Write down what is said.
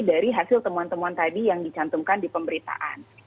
dari hasil temuan temuan tadi yang dicantumkan di pemberitaan